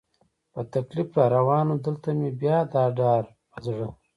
په تکلیف را روان و، دلته مې بیا دا ډار په زړه.